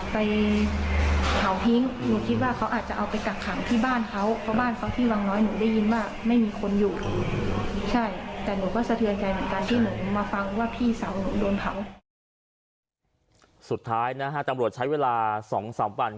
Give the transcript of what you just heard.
สุดท้ายนะฮะตำรวจใช้เวลา๒๓วัน